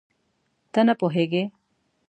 ته نه پوهېږې؟